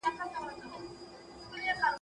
ما وېشلي هر یوه ته اقلیمونه.